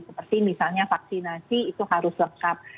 seperti misalnya vaksinasi itu harus lengkap